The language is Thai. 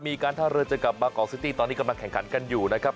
การท่าเรือเจอกับมากอกซิตี้ตอนนี้กำลังแข่งขันกันอยู่นะครับ